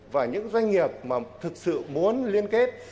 và những doanh nghiệp mà thực sự muốn liên kết